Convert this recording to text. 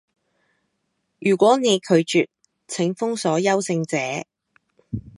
如果你拒絕，請封鎖優勝者